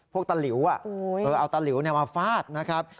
ตะหลิวเอาตะหลิวมาฟาดนะครับ